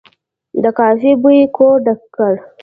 د کافي بوی کور ډک کړ.